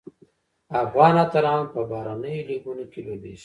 افغان اتلان په بهرنیو لیګونو کې لوبیږي.